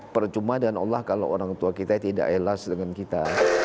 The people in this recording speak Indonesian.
percuma dengan allah kalau orang tua kita tidak elas dengan kita